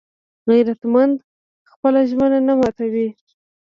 غیرتمند خپله ژمنه نه ماتوي